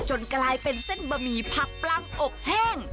กลายเป็นเส้นบะหมี่ผักปลังอบแห้ง